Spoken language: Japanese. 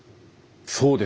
そうですね。